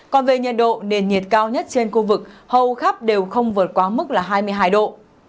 còn về nhiệt độ nền nhiệt cao nhất trên khu vực hầu khắp đều không vượt quá mức là hai mươi hai độ